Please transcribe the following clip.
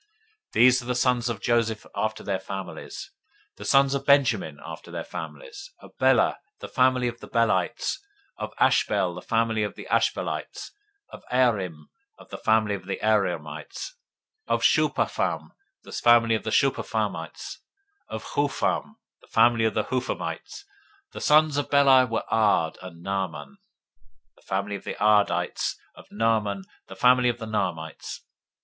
These are the sons of Joseph after their families. 026:038 The sons of Benjamin after their families: of Bela, the family of the Belaites; of Ashbel, the family of the Ashbelites; of Ahiram, the family of the Ahiramites; 026:039 of Shephupham, the family of the Shuphamites; of Hupham, the family of the Huphamites. 026:040 The sons of Bela were Ard and Naaman: [of Ard], the family of the Ardites; of Naaman, the family of the Naamites.